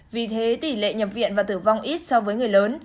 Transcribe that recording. vì thế tỷ lệ nhập viện và tử vong ít so với người lớn